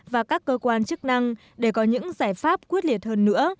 và các cơ quan chức năng để có những giải pháp quyết liệt hơn nữa